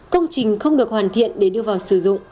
công trình không được hoàn thiện để đưa vào sử dụng